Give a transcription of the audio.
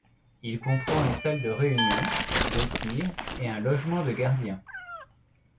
Il comprend une salle de réunion, de tir et un logement de gardien.